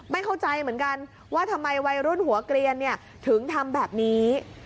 ไม่เข้าใจเหมือนกันว่าทำไมวัยรุ่นหัวเกลียนถึงทำแบบนี้